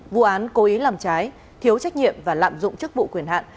vụ án cố ý làm trái thiếu trách nhiệm và lạm dụng chức vụ quyền hạn